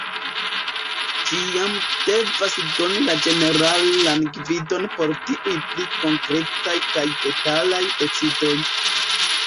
Ĝi jam devas doni la ĝeneralan gvidon por tiuj pli konkretaj kaj detalaj decidoj.